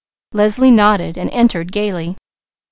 Leslie nodded and entered gaily.